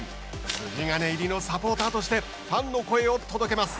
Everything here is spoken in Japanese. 筋金入りのサポーターとしてファンの声を届けます。